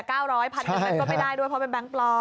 ๙๐๐บาทก็ไม่ได้ด้วยเพราะเป็นแบงค์ปลอม